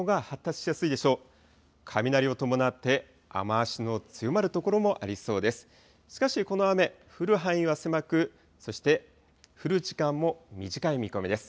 しかしこの雨、降る範囲は狭く、そして降る時間も短い見込みです。